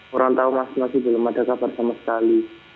kurang tahu mas masih belum ada kabar sama sekali